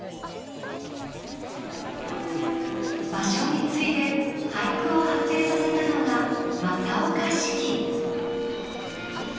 芭蕉に次いで俳句を発展させたのが正岡子規。